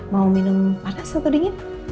mau minum panas atau dingin